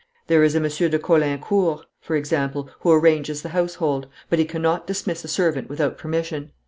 There is a Monsieur de Caulaincourt, for example, who arranges the household; but he cannot dismiss a servant without permission.